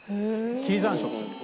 切山椒っていうの。